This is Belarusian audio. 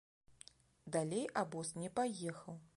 Далей абоз не паехаў.